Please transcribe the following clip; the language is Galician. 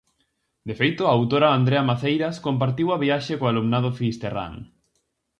De feito, a autora Andrea Maceiras compartiu a viaxe co alumnado fisterrán.